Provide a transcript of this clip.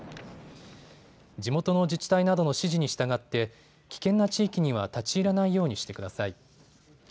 地元の自治体などの指示に従って危険な地域には立ち入らないようにしてください。